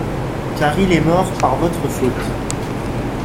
Car il est mort par votre faute.